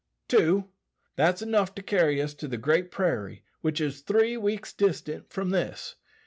"Two. That's 'nough to carry us to the Great Prairie, which is three weeks distant from this.